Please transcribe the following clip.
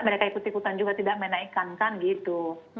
kekut kutan juga tidak menaikkan kan gitu